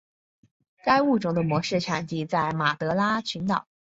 该物种的模式产地在马德拉群岛。